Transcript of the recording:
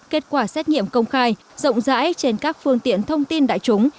kết quả xét nghiệm công khai rộng rãi trên các phương tiện thông tin đại chúng